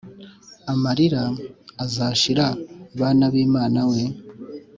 Amarira azashira bana bimana we